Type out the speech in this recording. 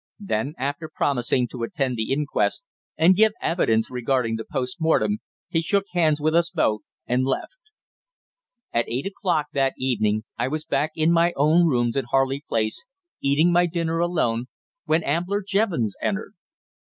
Then, after promising to attend the inquest and give evidence regarding the post mortem, he shook hands with us both and left. At eight o'clock that evening I was back in my own rooms in Harley Place, eating my dinner alone, when Ambler Jevons entered.